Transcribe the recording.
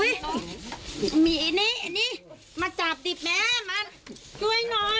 อุ๊ยมีอันนี้มาจับดิแม่มาช่วยหน่อย